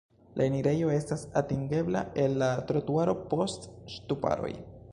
La enirejo estas atingebla el la trotuaro post ŝtuparoj.